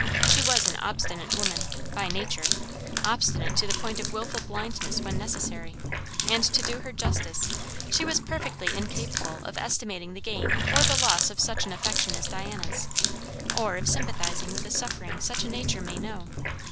She was an obstinate woman, by nature; obstinate to the point of wilful blindness when necessary; and to do her justice, she was perfectly incapable of estimating the gain or the loss of such an affection as Diana's, or of sympathizing with the suffering such a nature may know.